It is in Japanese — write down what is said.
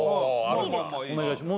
おおお願いします